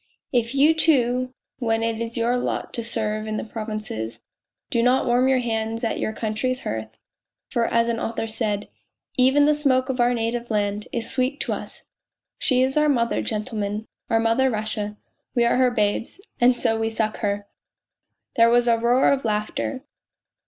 ' If you, too, when it is your lot to serve in the provinces, do not warm your hands at your country's hearth ... For as an author said :' Even the smoke of our native land is sweet to us.' She is our Mother, gentlemen, our Mother Russia; we are her babes, and so we suck her !" There was a roar of laughter.